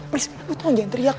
please gue tolong jangan teriak